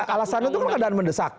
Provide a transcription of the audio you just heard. alasan itu keadaan mendesak